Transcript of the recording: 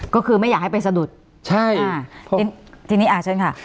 ก็คือไม่อยากให้ไปสะดุดทีนี้เชิญค่ะ